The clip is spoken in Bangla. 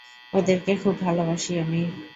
ওদেরকে খুব ভালোবাসি আমি।